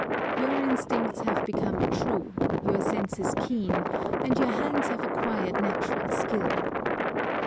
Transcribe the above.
Your instincts have become true, your senses keen, and your hands have acquired natural skill.